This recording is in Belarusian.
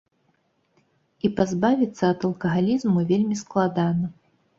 І пазбавіцца ад алкагалізму вельмі складана.